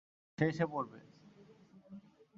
সে এসে পড়বে।